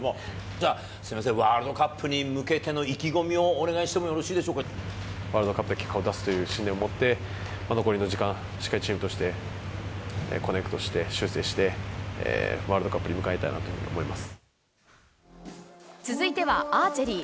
じゃあ、すみません、ワールドカップに向けての意気込みをお願いワールドカップで結果を出すという信念を持って、残りの時間、しっかりチームとしてコネクトして修正して、ワールドカップに向続いてはアーチェリー。